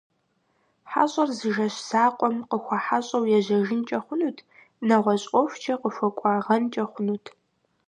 Хьэщӏэр зы жэщ закъуэм къыхуэхьэщӏэу ежьэжынкӏэ хъунут, нэгъуэщӏ ӏуэхукӏэ къыхуэкӏуагъэнкӏэ хъунут.